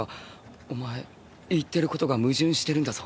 お前言ってることが矛盾してるんだぞ？